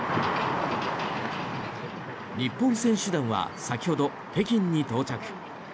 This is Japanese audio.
日本選手団は先ほど北京に到着。